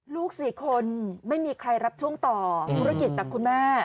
ลูก๔คนไม่มีใครรับช่วงต่อธุรกิจจากคุณแม่